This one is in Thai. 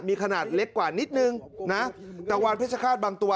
มีขนาดเล็กกว่านิดนึงนะแต่วานเพชรฆาตบางตัว